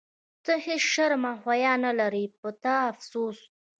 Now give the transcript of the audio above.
ته هیڅ شرم او حیا نه لرې، په تا افسوس.